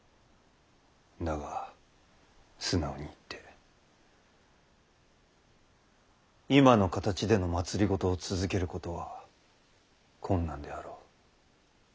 だが素直に言って今の形での政を続けることは困難であろう。